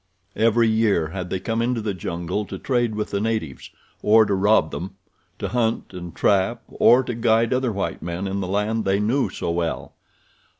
Every year had they come into the jungle to trade with the natives, or to rob them; to hunt and trap; or to guide other white men in the land they knew so well.